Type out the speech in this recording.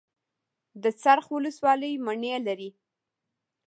د څرخ ولسوالۍ مڼې لري